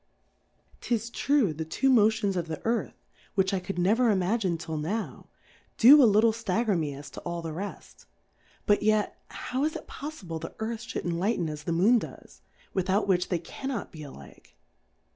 'Tis true, the two Motions of the Earth, (which I could never Imagine till now ) do a lit tle ftagger me as to all the reft ; but yet, how is it poffible the Earth fl^ould enlighten as the Moon does, without which they cannot be alike